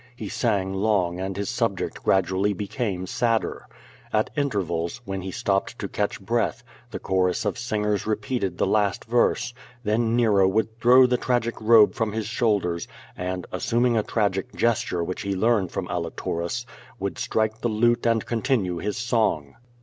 He sang long and his subject gradually became sadder. At intervals, when he stopped to catch breath, the chorus of singers repeated the last verse, then Nero would throw the tragic robe from his shoulders, and, assuming a tragic gesture which he learned from Alitunis, would strike the lute and continue his song.